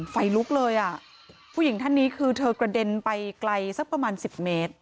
ไฟลุกเลยอ่ะผู้หญิงท่านนี้คือเธอกระเด็นไปไกลสักประมาณ๑๐เมตร